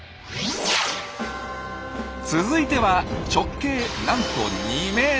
続いては直径なんと２ｍ！